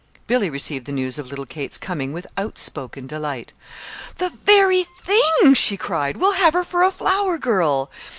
Billy received the news of little Kate's coming with outspoken delight. "The very thing!" she cried. "We'll have her for a flower girl.